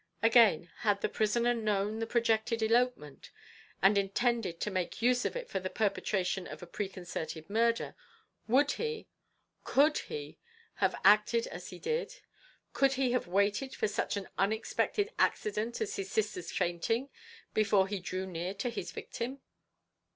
Again, had the prisoner known the projected elopement, and intended to make use of it for the perpetration of a preconcerted murder, would he could he have acted as he did? Could he have waited for such an unexpected accident as his sister's fainting before he drew near to his victim.